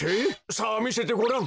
さあみせてごらん！